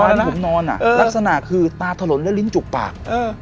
ที่ผมนอนลักษณะคือตาถลนและลิ้นจุกปาก